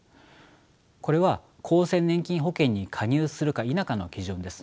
これは厚生年金保険に加入するか否かの基準です。